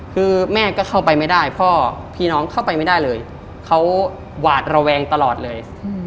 คือแม่ก็เข้าไปไม่ได้พ่อพี่น้องเข้าไปไม่ได้เลยเขาหวาดระแวงตลอดเลย